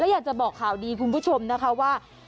อยากจะบอกข่าวดีคุณผู้ชมนะคะว่า